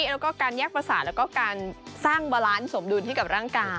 แล้วก็การแยกประสาทแล้วก็การสร้างบาลานซ์สมดุลให้กับร่างกาย